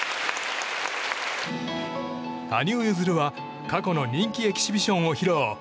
羽生結弦は過去の人気エキシビションを披露。